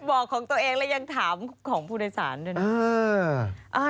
บอกของตัวเองและยังถามของผู้โดยสารด้วยนะ